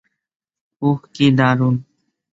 উহ, কী দারুণ!